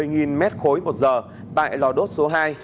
một giờ tại lò đốt số hai